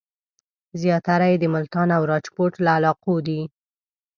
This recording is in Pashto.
زیاتره یې د ملتان او راجپوت له علاقو دي.